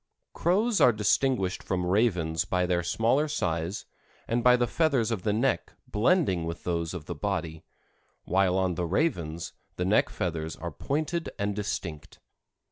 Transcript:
Crows are distinguished from ravens by their smaller size, and by the feathers of the neck blending with those of the body, while on the ravens, the neck feathers are pointed and distinct.